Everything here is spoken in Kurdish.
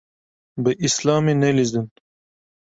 Bi Îslamê nelîzin.